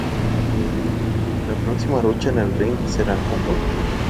La próxima lucha en el ring, será a muerte.